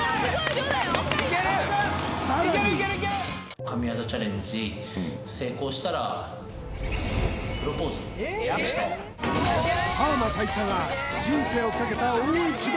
いけるさらにパーマ大佐が人生をかけた大一番